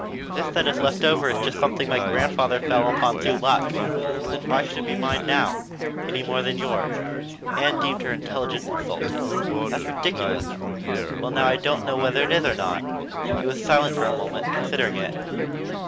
This that is left over is just something my grandfather fell upon through luck. Then why should it be mine now any more than yours?" Ann deemed her intelligence insulted. "That's ridiculous." "Well now I don't know whether it is or not." She was silent for a moment, considering it.